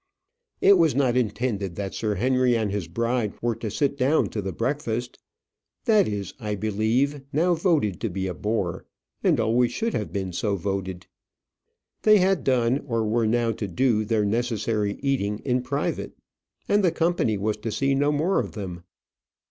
It was not intended that Sir Henry and his bride were to sit down to the breakfast. That is, I believe, now voted to be a bore and always should have been so voted. They had done, or were now to do their necessary eating in private, and the company was to see no more of them.